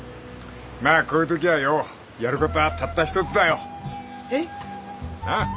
まあこういう時はよやることはたった一つだよ。えっ？なあ。